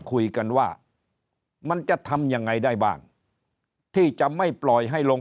คุยกันว่ามันจะทำยังไงได้บ้างที่จะไม่ปล่อยให้ลง